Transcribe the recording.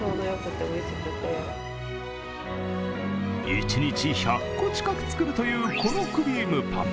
一日１００個近く作るというこのクリームパン。